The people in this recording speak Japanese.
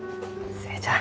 園ちゃん。